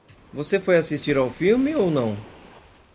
Você foi assistir ao filme ou não?